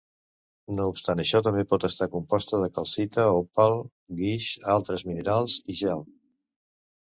No obstant això, també pot estar composta de calcita, òpal, guix, altres minerals, i gel.